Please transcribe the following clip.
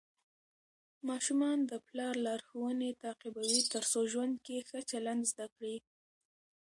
ماشومان د پلار لارښوونې تعقیبوي ترڅو ژوند کې ښه چلند زده کړي.